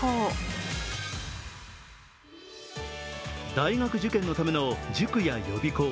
大学受験のための塾や予備校。